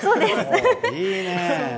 いいね。